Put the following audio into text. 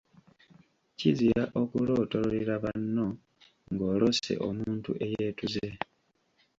Kizira okulootololera banno ng’oloose omuntu eyeetuze.